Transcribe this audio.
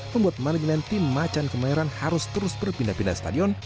membuat manajemen tim macan kemayoran harus terus berpindah pindah stadion